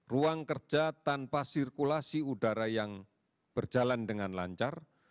ruang kerja tanpa sirkulasi udara yang berjalan dengan lancar